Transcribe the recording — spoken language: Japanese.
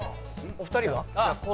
お二人は？